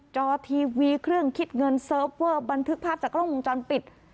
จอทีวีเครื่องคิดเงินเซิร์ฟเวอร์บันทึกภาพจากกล้องวงจรปิด